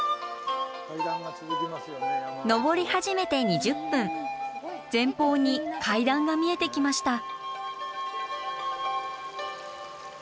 登り始めて２０分前方に階段が見えてきました。